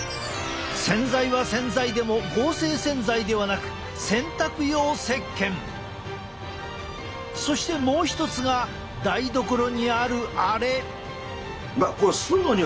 洗剤は洗剤でも合成洗剤ではなくそしてもう一つが台所にあるあれ！